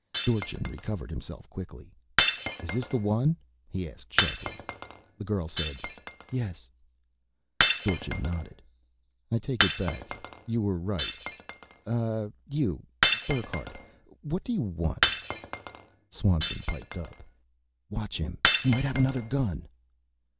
Dorchin recovered himself quickly. "Is this the one?" he asked sharply. The girl said, "Yes." Dorchin nodded. "I take it back. You were right. Uh, you Burckhardt. What do you want?" Swanson piped up, "Watch him! He might have another gun."